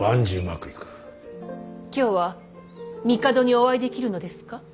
今日は帝にお会いできるのですか。